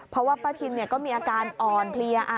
เพราะว่าป้าทินก็มีอาการอ่อนเพลีย